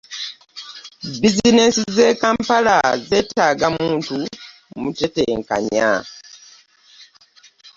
Bizineesi z'e kampala zeetaaga muntu mutetenkanya.